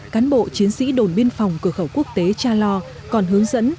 cán bộ chiến sĩ đồn biên phòng cửa khẩu quốc tế cha lo còn hướng dẫn